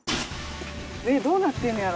えっどうなってんのやろ？